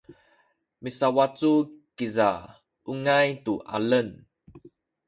misawacu kiza ungay tu alem